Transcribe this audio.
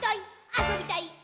「あそびたいっ！！」